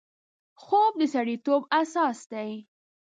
خوب د سړیتوب اساس دی